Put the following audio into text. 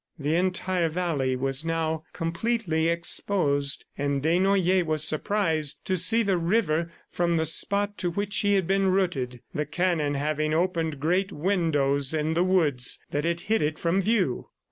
The entire valley was now completely exposed, and Desnoyers was surprised to see the river from the spot to which he had been rooted the cannon having opened great windows in the woods that had hid it from view.